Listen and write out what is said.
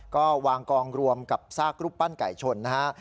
ก็วางกองรวมกับซากรูปปั้นไก่ชนนะฮะ